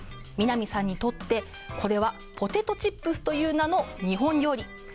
美浪さんにとってこれはポテトチップスという名の日本料理。